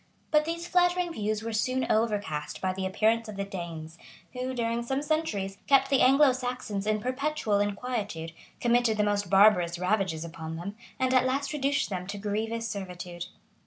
But these flattering views were soon overcast by the appearance of the Danes, who, during some centuries, kept the Anglo Saxons in perpetual inquietude, committed the most barbarous ravages upon them, and at last reduced them to grievous servitude.